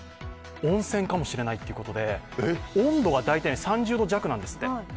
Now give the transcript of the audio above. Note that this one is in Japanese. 温泉かもしれないということで温度が３０度弱なんですって。